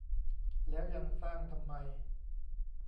แล้วยังสร้างทำไม